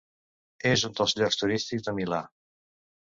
És un dels llocs turístics de Milà.